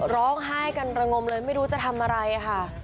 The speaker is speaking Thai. ร้องไห้กันระงมเลยไม่รู้จะทำอะไรค่ะ